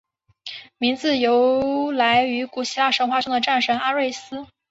名字由来于古希腊神话中的战神阿瑞斯。